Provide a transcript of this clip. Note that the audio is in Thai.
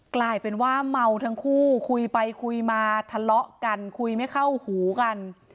กลายเป็นว่าเมาทั้งคู่คุยไปคุยมาทะเลาะกันคุยไม่เข้าหูกัน